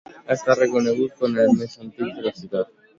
Ha estat reconegut com el més antic de la ciutat.